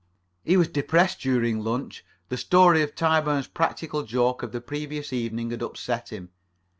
He was depressed during lunch. The story of Tyburn's practical joke of the previous evening had upset him.